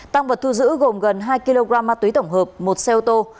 tăng vật thu giữ gồm gần hai kg ma túy tổng hợp một xe ô tô